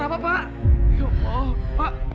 bapak kenapa pak